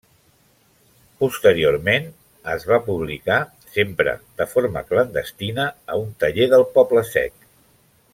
Posteriorment, es va publicar, sempre de forma clandestina, a un taller del Poble-sec.